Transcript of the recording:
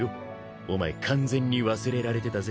お前完全に忘れられてたぜ。